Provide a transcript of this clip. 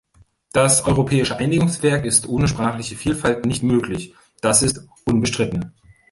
Das europäische Einigungswerk ist ohne sprachliche Vielfalt nicht möglich, das ist unbestritten.